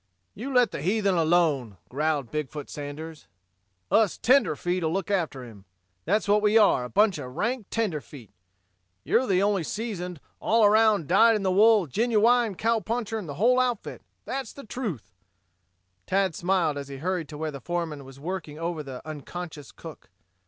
"You let the heathen alone," growled Big foot Sanders. "Us tenderfeet'll look after him. That's what we are, a bunch of rank tenderfeet. You're the only seasoned, all around, dyed in the wool, genuwine cowpuncher in the whole outfit. That's the truth." Tad smiled as he hurried to where the foreman was working over the unconscious cook.